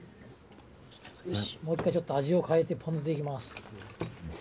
よしもう一回ちょっと味を変えてポン酢でいきます。